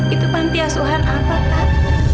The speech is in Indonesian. itu pantai asuhan apa pak